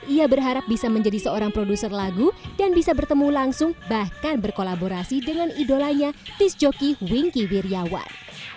ia berharap bisa menjadi seorang produser lagu dan bisa bertemu langsung bahkan berkolaborasi dengan idolanya disc joki wingkey wirjawan